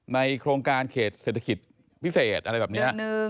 โครงการเขตเศรษฐกิจพิเศษอะไรแบบนี้